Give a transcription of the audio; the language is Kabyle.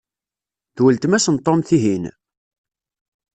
D weltma-s n Tom, tihin?